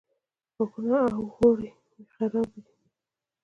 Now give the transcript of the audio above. غاښونه او اورۍ مې خرابې دي